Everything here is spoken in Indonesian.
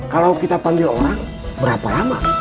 kalau kita panggil orang berapa lama